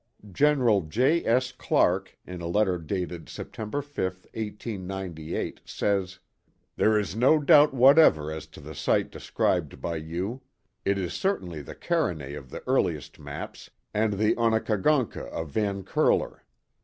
General J. S. Clark, in a letter dated Sept. 5, 1898, says: There is no doubt whatever as to the site described by you ; it is certainly the Carenay of the earliest maps, and the Onekagon cka of Van Curler.